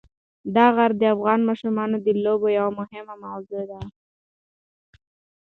دا غر د افغان ماشومانو د لوبو یوه مهمه موضوع ده.